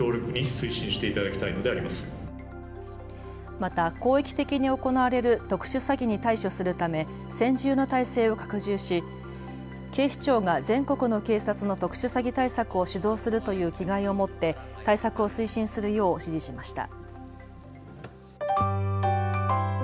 また広域的に行われる特殊詐欺に対処するため専従の体制を拡充し警視庁が全国の警察の特殊詐欺対策を主導するという気概を持って対策を推進するよう指示しました。